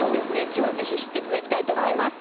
今日はぜひ知って頂きたいと思います。